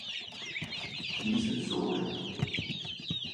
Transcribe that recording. Diese sogen.